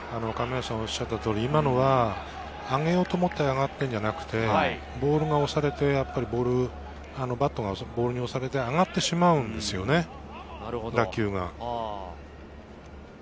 今のが上げようと思って上がっているんじゃなくて、ボールが押されてバットがボールに押されて上がってしまうんですよね、打球が。